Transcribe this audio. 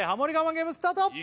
ゲームスタート！